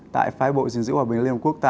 tại phái bộ dình dữ hòa bình liên hợp quốc